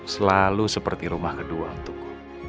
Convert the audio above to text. selalu seperti rumah kedua untuk